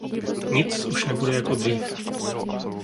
Nic už nebude jako dřív.